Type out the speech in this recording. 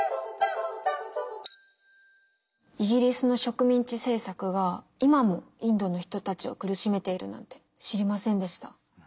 イギリスの植民地政策が今もインドの人たちを苦しめているなんて知りませんでした。